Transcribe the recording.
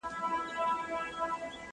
چى وطن ته دي بللي خياطان دي!!